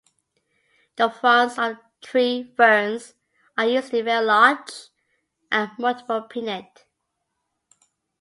The fronds of tree ferns are usually very large and multiple-pinnate.